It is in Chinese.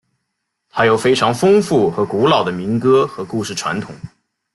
它有非常丰富和古老的民歌和故事传统。